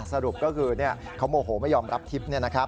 สรุปก็คือเขาโมโหไม่ยอมรับทิพย์